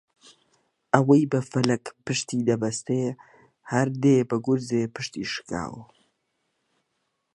ئەوەی بە فەلەک پشتیدەبەستێ هەر دێ بە گورزێ پشتی شکاوە